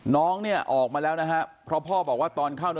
น้องเนี่ยออกมาแล้วนะฮะเพราะพ่อบอกว่าตอนเข้า